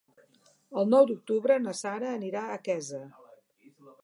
El nou d'octubre na Sara anirà a Quesa.